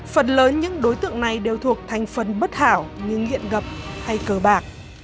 phần lớn những đối tượng này đều thuộc thành phần bất hảo như nghiện gập hay cờ bạc